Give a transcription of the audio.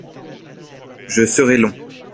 je serai long.